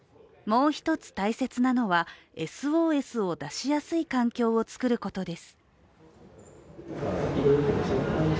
もう一つ大切なのは、ＳＯＳを出しやすい環境を作ることです。